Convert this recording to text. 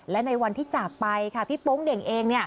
และในวันที่จากไปค่ะพี่โป๊งเด่งเอง